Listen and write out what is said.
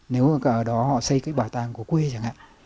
nếu mà ở đó họ xây cái bảo tàng của quê chẳng hạn